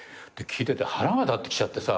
聞いてて腹が立ってきちゃってさ。